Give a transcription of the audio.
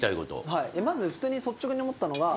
まず普通に率直に思ったのが。